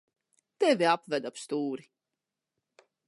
Tevi apveda ap stūri.